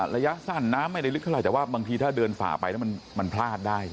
ระยะสั้นน้ำไม่ได้ลึกเท่าไหร่แต่ว่าบางทีถ้าเดินฝ่าไปแล้วมันพลาดได้